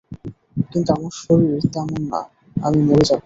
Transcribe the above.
হ্যাঁ, কিন্তু আমার শরীর তেমন না, আমি মরে যাব।